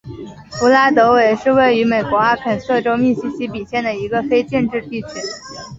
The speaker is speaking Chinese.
弗拉德韦是位于美国阿肯色州密西西比县的一个非建制地区。